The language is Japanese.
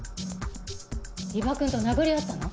伊庭くんと殴り合ったの？